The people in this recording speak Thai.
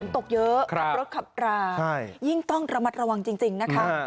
ตกเยอะขับรถขับรายิ่งต้องระมัดระวังจริงนะคะ